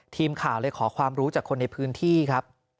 ทีมข่าวเลยขอความรู้จากคนในพื้นที่ครับ